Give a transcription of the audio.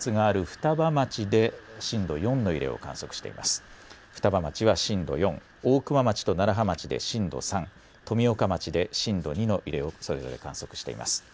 双葉町は震度４、大熊町と楢葉町で震度３、富岡町で震度２の揺れをそれぞれ観測しています。